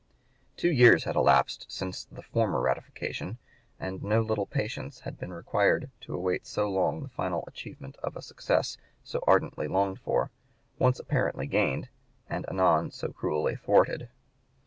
Two years had elapsed since the former ratification, and no little patience had been required to await so long the final achievement of a success so ardently longed for, once apparently gained, and anon so cruelly thwarted.